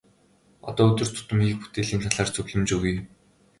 Одоо өдөр тутам хийх бүтээлийн талаар зөвлөмж өгье.